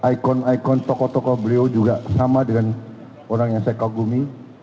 ikon ikon tokoh tokoh beliau juga sama dengan orang yang saya kagumi